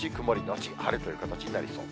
あと晴れという形になりそう。